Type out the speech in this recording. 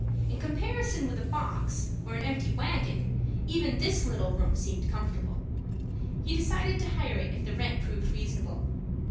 In comparison with a box, or an empty wagon, even this little room seemed comfortable. He decided to hire it if the rent proved reasonable.